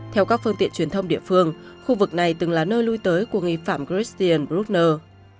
theo các phương tiện truyền thông địa phương khu vực này từng là nơi lui tới của nghi phạm christian brugner